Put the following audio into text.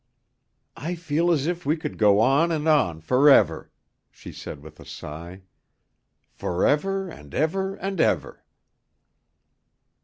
"I feel as if we could go on and on forever," she said with a sigh, "forever and ever and ever."